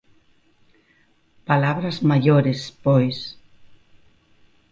Palabras maiores pois.